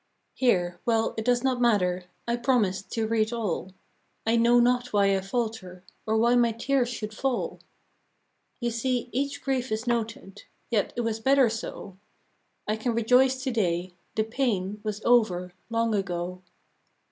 Here — well, it does not matter, I promised to read all; I know not why I falter, Or why my tears should fall. MY JOURNAL. I 11 You see each grief is noted ; Yet it was better so — I can rejoice to day — the pain Was over, long ago.